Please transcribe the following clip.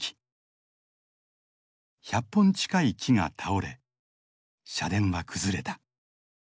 １００本近い木が倒れ社殿は崩れた。